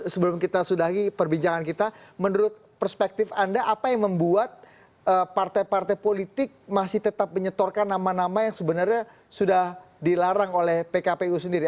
sebelum kita sudahi perbincangan kita menurut perspektif anda apa yang membuat partai partai politik masih tetap menyetorkan nama nama yang sebenarnya sudah dilarang oleh pkpu sendiri